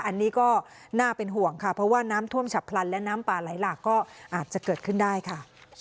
อันนี้ก็น่าเป็นห่วงค่ะเพราะว่าน้ำท่วมฉับพลันและน้ำป่าไหลหลากก็อาจจะเกิดขึ้นได้ค่ะ